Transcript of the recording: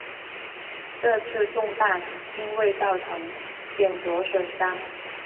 这次中弹并未造成显着损伤。